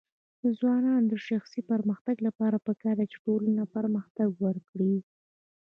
د ځوانانو د شخصي پرمختګ لپاره پکار ده چې ټولنه پرمختګ ورکړي.